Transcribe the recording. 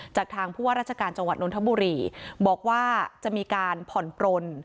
จากทางผู้ว่าราชการจังหวัดนทบุรีบอกว่าจะมีการผ่อนปลน